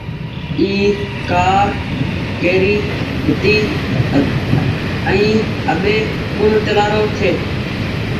اي ڪآر ڪيري هيتي ائين اٻي ڪوڻ چلآرو ڇي۔